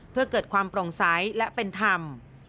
เพื่อเกิดความโปร่งใสและเป็นธรรม